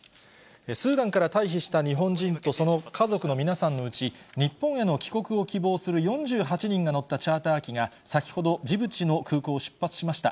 スーダンから退避した日本人と、その家族の皆さんのうち、日本への帰国を希望する４８人が乗ったチャーター機が先ほど、ジブチの空港を出発しました。